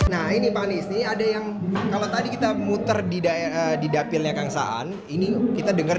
nah ini pak anies ini ada yang kalau tadi kita muter di dapilnya kang saan ini kita dengar